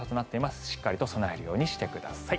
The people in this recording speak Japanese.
しっかりと備えるようにしてください。